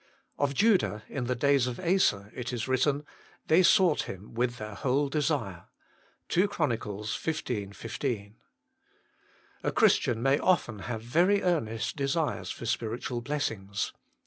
Of Judah in the days of Asa it is written, " They sought Him with their whole desire" (2 Chron. xv. 15). A Christian may often have very earnest desires for spiritual bless ings.